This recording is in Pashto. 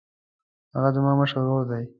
هغه زما مشر ورور دی.